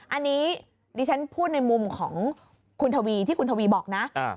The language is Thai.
อันนี้ดิฉันพูดในมุมของคุณทวีที่คุณทวีบอกนะ